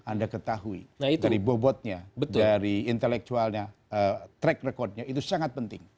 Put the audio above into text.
anda ketahui dari bobotnya dari intelektualnya track recordnya itu sangat penting